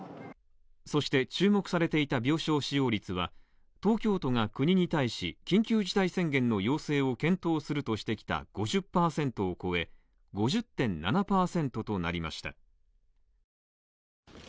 そして、注目されていた病床使用率は東京都が国に対し緊急事態宣言の要請を検討するとしてきた５０％を超え５０．７％となりました。